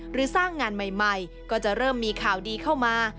สร้างงานใหม่ก็จะเริ่มมีข่าวดีเข้ามา